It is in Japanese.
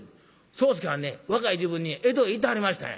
宗助はんね若い時分に江戸へ行ってはりましたんや」。